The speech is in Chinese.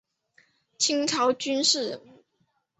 清朝军事人物。